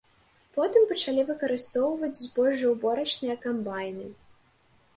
Потым пачалі выкарыстоўваць збожжаўборачныя камбайны.